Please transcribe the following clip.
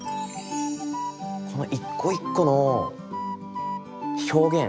この一個一個の表現